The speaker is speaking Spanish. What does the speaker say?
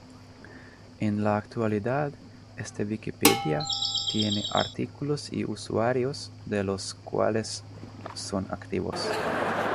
En la actualidad, esta Wikipedia tiene artículos y usuarios, de los cuales son activos.